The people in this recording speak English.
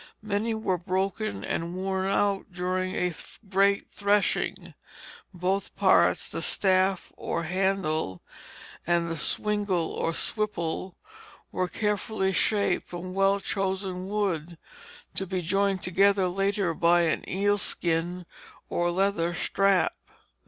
Many were broken and worn out during a great threshing. Both parts, the staff or handle, and the swingle or swiple, were carefully shaped from well chosen wood, to be joined together later by an eelskin or leather strap.